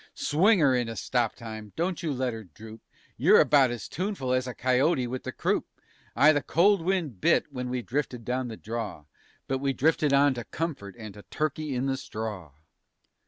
Swing 'er into stop time, don't you let 'er droop! (You're about as tuneful as a coyote with the croup!) Ay, the cold wind bit when we drifted down the draw, _But we drifted on to comfort and to "Turkey in the Straw."